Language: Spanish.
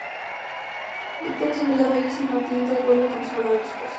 Víctor es obligado a irse y Matilda vuelve con su verdadero esposo.